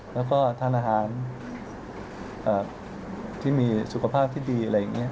แล้วก็ทานอาหารที่มีสุขภาพที่ดีอะไรอย่างนี้